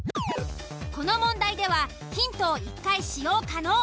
この問題ではヒントを１回使用可能。